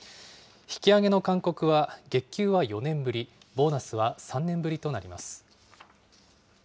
引き上げの勧告は月給は４年ぶり、ボーナスは３年ぶりとなります。